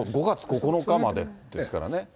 ５月９日までですからね。